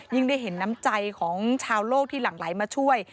ได้เห็นน้ำใจของชาวโลกที่หลั่งไหลมาช่วย